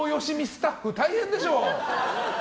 スタッフ大変でしょ。